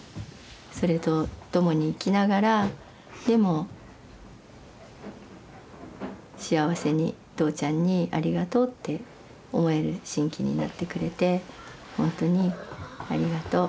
それとともに生きながらでも幸せに父ちゃんにありがとうって思える真気になってくれてほんとにありがとう。